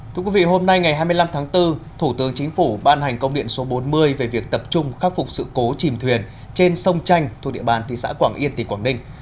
thưa quý vị hôm nay ngày hai mươi năm tháng bốn thủ tướng chính phủ ban hành công điện số bốn mươi về việc tập trung khắc phục sự cố chìm thuyền trên sông chanh thuộc địa bàn thị xã quảng yên tỉnh quảng ninh